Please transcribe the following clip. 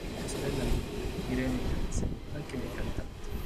Ha una sorella minore, Irene Jansen, anche lei cantante.